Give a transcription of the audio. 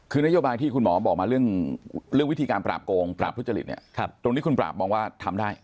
คือนโยบายที่คุณหมอบอกมาเรื่องวิธีการปราบโกงปราบทุจริตเนี่ยตรงนี้คุณปราบมองว่าทำได้